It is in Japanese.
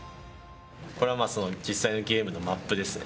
これはまあその実際のゲームのマップですね。